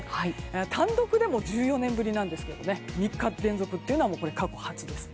単独でも１４年ぶりなんですけど３日連続というのは過去初です。